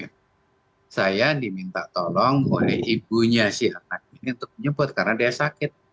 karena saya diminta tolong oleh ibunya si anak ini untuk menyebut karena dia sakit